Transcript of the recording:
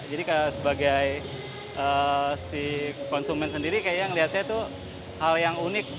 jadi sebagai si konsumen sendiri kayaknya ngelihatnya itu hal yang unik